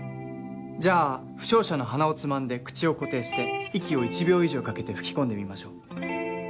じゃあ負傷者の鼻をつまんで口を固定して息を１秒以上かけて吹き込んでみましょう。